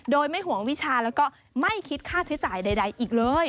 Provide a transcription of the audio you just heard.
โดยไม่ห่วงวิชาแล้วก็ไม่คิดค่าใช้จ่ายใดอีกเลย